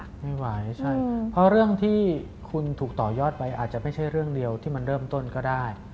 ไม่ไหวใช่เพราะเรื่องที่คุณถูกต่อยอดไปอาจจะไม่ใช่เรื่องเดียวที่มันเริ่มต้นก็ได้